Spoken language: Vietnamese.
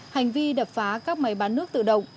hành vi đập phá các máy bán nước tự động